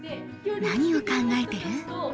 何を考えてる？